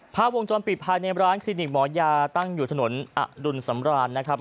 ภาพวงจรปิดภายในร้านคลินิกหมอยาตั้งอยู่ถนนอดุลสำราญนะครับ